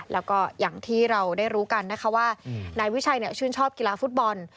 แล้วก็อย่างที่เราได้รู้กันนะคะว่านายวิชัยชื่นชอบกีฬาฟุตบอล